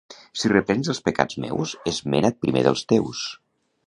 Si reprens els pecats meus, esmena't primer dels teus.